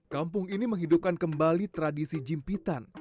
kampung ini menghidupkan kembali tradisi jimpitan